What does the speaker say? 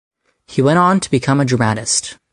He went on to become a dramatist.